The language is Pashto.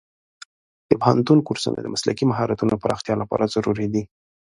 د پوهنتون کورسونه د مسلکي مهارتونو پراختیا لپاره ضروري دي.